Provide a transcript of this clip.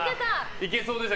いけそうでした。